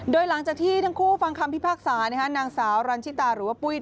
โดยหลังจากที่ทั้งคู่ฟังคำพิพากษานางสาวรันชิตาหรือว่าปุ้ย